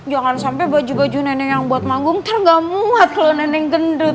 jangan sampai baju baju nenek yang buat magung ntar gak muat loh nenek gendut